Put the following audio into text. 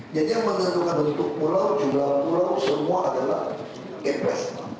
jadi yang menentukan bentuk pulau jumlah pulau semua adalah gepres